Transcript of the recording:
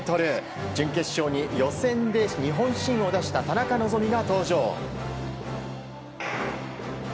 準決勝に予選で日本新を出した田中希実が登場。